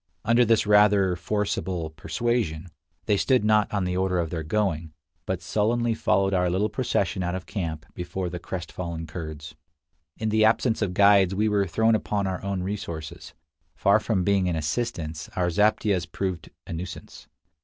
Under this rather forcible persuasion, they stood not on the order of their going, but sullenly followed our little procession out of camp before the crestfallen Kurds. In the absence of guides we were thrown upon our own resources. Far from being an assistance, our zaptiehs proved a nuisance.